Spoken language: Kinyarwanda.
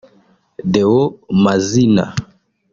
Deo Mazina